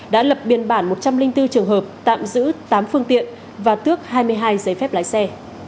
đã lập biên bản một trăm linh bốn trường hợp tạm giữ tám phương tiện và tước hai mươi hai giấy phép lái xe